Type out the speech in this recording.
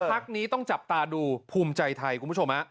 พักนี้ต้องจับตาดูภูมิใจไทยคุณผู้ชม